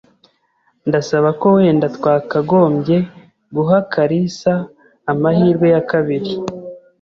Ndasaba ko wenda twakagombye guha kalisa amahirwe ya kabiri.